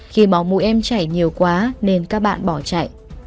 khi máu mũi em chảy nhiều quá nên các bạn bỏ chạy